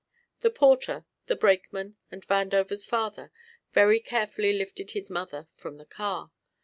The porter, the brakeman and Vandover's father very carefully lifted his mother from the car.